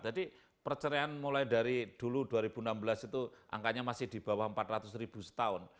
jadi perceraian mulai dari dulu dua ribu enam belas itu angkanya masih di bawah empat ratus ribu setahun